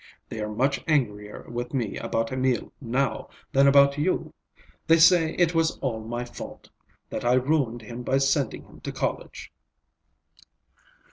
They are much angrier with me about Emil, now, than about you. They say it was all my fault. That I ruined him by sending him to college."